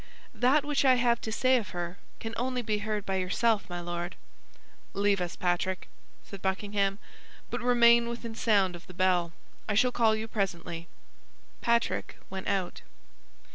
"That which I have to say of her can only be heard by yourself, my Lord!" "Leave us, Patrick," said Buckingham; "but remain within sound of the bell. I shall call you presently." Patrick went out.